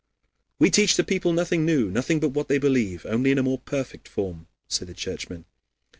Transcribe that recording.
"We teach the people nothing new, nothing but what they believe, only in a more perfect form," say the Churchmen.